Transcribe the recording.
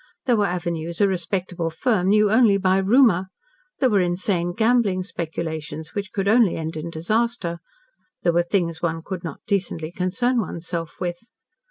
There were avenues a respectable firm knew only by rumour, there were insane gambling speculations, which could only end in disaster, there were things one could not decently concern one's self with.